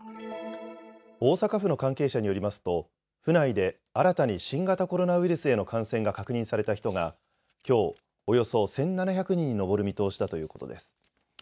大阪府の関係者によりますと府内で新たに新型コロナウイルスへの感染が確認された人がきょうおよそ１７００人に上る見通しだということです。